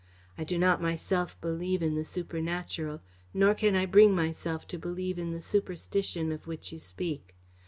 I do not myself believe in the supernatural, nor can I bring myself to believe in the superstition of which you speak.